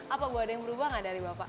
apa bu ada yang berubah gak dari bapak